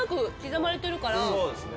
そうですね。